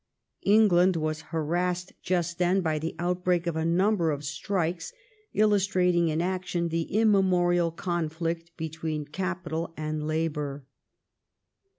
England was har assed just then by the outbreak of a number of strikes, illustrating in action the immemorial con flict between capital and labor.